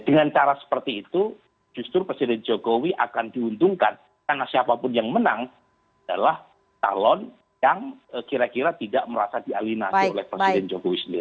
dengan cara seperti itu justru presiden jokowi akan diuntungkan karena siapapun yang menang adalah talon yang kira kira tidak merasa dialinasi oleh presiden jokowi sendiri